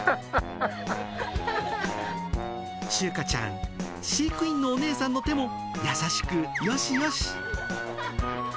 しゅうかちゃん、飼育員のお姉さんの手も優しくよしよし。